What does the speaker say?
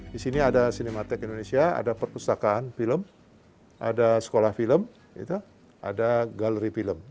di sini ada cinemattek indonesia ada perpustakaan film ada sekolah film ada galeri film